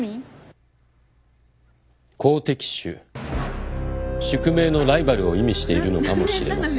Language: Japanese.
好敵手宿命のライバルを意味しているのかもしれません。